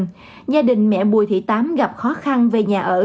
gia đình mẹ bùi thị tám gặp khó khăn về nhà ở